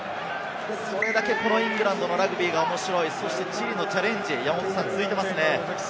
それだけこのイングランドのラグビーが面白い、そしてチリのチャレンジが続いていますね。